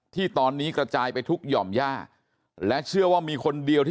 ที่ตอนนี้กระจายไปทุกหย่อมย่าและเชื่อว่ามีคนเดียวที่